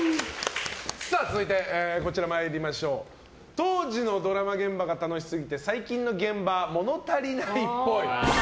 当時のドラマ現場が楽しすぎて最近の現場物足りないっぽい。